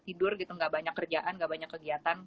tidur gitu gak banyak kerjaan gak banyak kegiatan